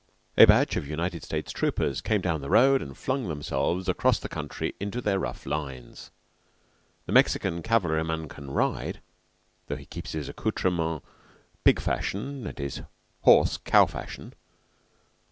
A batch of United States troopers came down the road and flung themselves across the country into their rough lines. The Mexican cavalryman can ride, though he keeps his accoutrements pig fashion and his horse cow fashion.